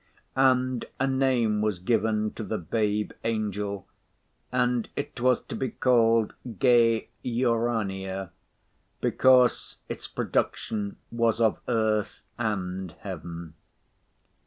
And a name was given to the Babe Angel, and it was to be called Ge Urania, because its production was of earth and heaven.